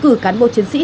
cử cán bộ chiến sĩ